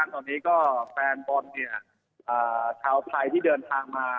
ตอนนี้ก็แฟนบอลชาวไทยที่เดินทางมา